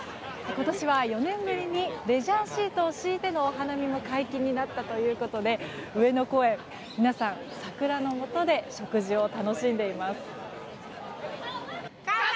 今年は４年ぶりにレジャーシートを敷いてのお花見も解禁になったということで上野公園、皆さん桜のもとで食事を楽しんでいます。